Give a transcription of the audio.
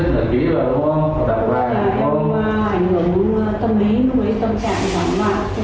như thế này như thế này các thứ để kiếm chồng các thứ